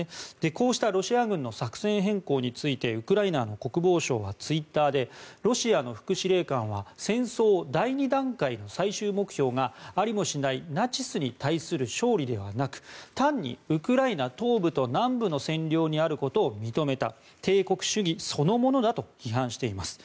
こうしたロシア軍の作戦変更についてウクライナの国防省はツイッターでロシアの副司令官は戦争を第２段階の最終目標がありもしないナチスに対する勝利ではなく単にウクライナ東部と南部の占領にあることを認めた帝国主義そのものだと批判しています。